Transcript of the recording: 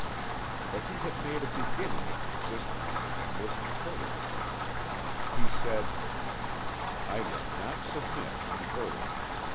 But he had made a beginning at resistance and was encouraged. He said: "I will not submit unheard.